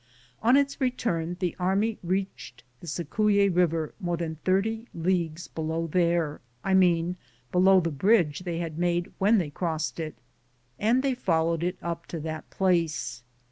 On its return the army reached the Cicuye river more than 30 leagues below there — I mean below the bridge they had made when they crossed it, and they followed it up to that place.